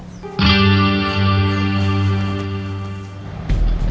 kamu gak perlu tahu